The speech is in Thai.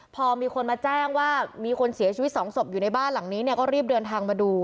พอมีคนมาแจ้งว่ามีคนเสียชีวิตสองศพอยู่ในบ้านหลังนี้เนี่ยก็รีบเดินทางมาดู